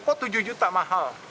kok tujuh juta mahal